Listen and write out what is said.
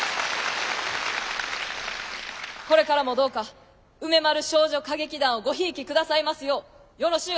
これからもどうか梅丸少女歌劇団をごひいきくださいますようよろしゅう